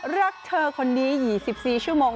รักเธอคนนี้๒๔ชั่วโมง